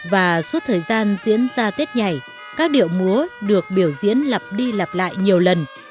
và suốt thời gian diễn ra tết nhảy các điệu múa được biểu diễn lặp đi lặp lại nhiều lần